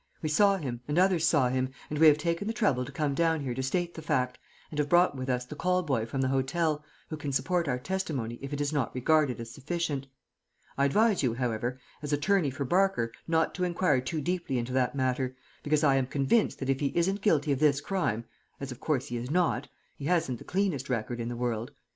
We saw him, and others saw him, and we have taken the trouble to come down here to state the fact, and have brought with us the call boy from the hotel, who can support our testimony if it is not regarded as sufficient. I advise you, however, as attorney for Barker, not to inquire too deeply into that matter, because I am convinced that if he isn't guilty of this crime as of course he is not he hasn't the cleanest record in the world.